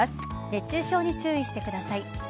熱中症に注意してください。